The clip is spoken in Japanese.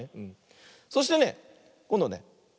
そしてねこんどね